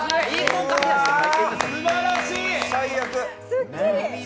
すっきり。